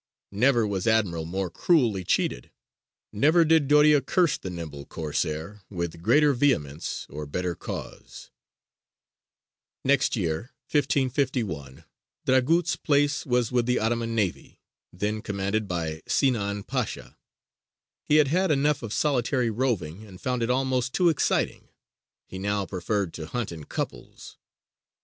Never was admiral more cruelly cheated: never did Doria curse the nimble Corsair with greater vehemence or better cause. Next year, 1551, Dragut's place was with the Ottoman navy, then commanded by Sinān Pasha. He had had enough of solitary roving, and found it almost too exciting: he now preferred to hunt in couples.